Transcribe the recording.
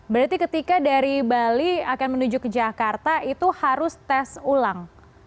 berarti ketika dari bali akan menuju ke jakarta itu harus tes ulang